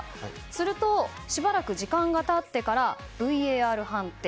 するとしばらく時間が経ってからＶＡＲ判定。